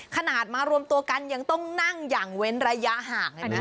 ขนาดมารวมตัวกันยังต้องนั่งอย่างเว้นระยะห่างเลยนะ